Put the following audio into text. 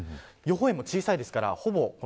予報円も小さいです。